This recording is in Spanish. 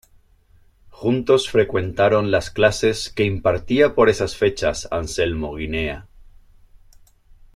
Juntos frecuentaron las clases que impartía por esas fechas Anselmo Guinea.